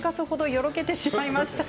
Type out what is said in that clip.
よろけてしまいました。